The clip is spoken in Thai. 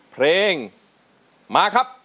เพลงมาครับ